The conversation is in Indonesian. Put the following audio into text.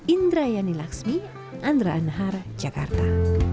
indra yani laksmi andra anhar jakarta